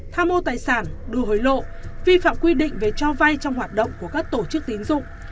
tham mô tài sản đưa hối lộ vi phạm quy định về cho vay trong hoạt động của các tổ chức tín dụng